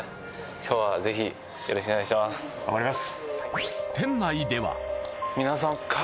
今日はぜひよろしくお願いします